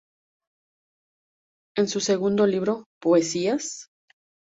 En su segundo libro "¿Poesías...?